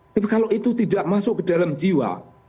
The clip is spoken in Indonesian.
tapi kalau itu tidak masuk ke dalam jiwa